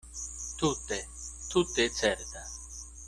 Tute, tute certa.